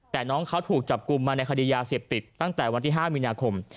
แต่น้องเขาถูกจับกลุ่มมาในคดียาเสพติดตั้งแต่วันที่๕มีนาคม